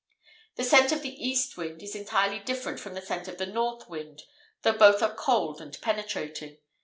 The scent of the east wind is entirely different from the scent of the north wind, though both are cold and penetrating.